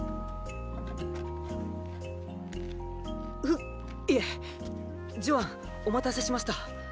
フいえ“ジョアン”お待たせしました。